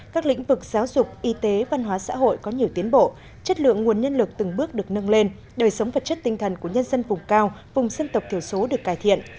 các lĩnh vực giáo dục y tế văn hóa xã hội có nhiều tiến bộ chất lượng nguồn nhân lực từng bước được nâng lên đời sống vật chất tinh thần của nhân dân vùng cao vùng dân tộc thiểu số được cải thiện